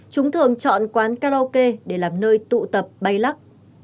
chúng thường chọn quán karaoke để làm nơi tụ tập bay lắc